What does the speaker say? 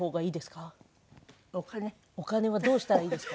お金はどうしたらいいですか？